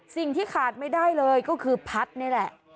สิ่งที่ขาดไม่ได้เลยก็คือพัดนี่แหละ